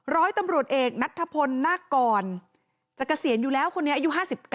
ร้อยตำรวจเอกนัทพลนากรจกเกษียณอยู่แล้วอายุ๕๙